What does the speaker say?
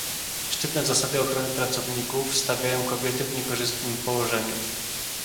Sztywne zasady ochrony pracowników stawiają kobiety w niekorzystnym położeniu